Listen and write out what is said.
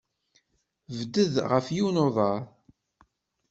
Bded ɣef yiwen uḍar.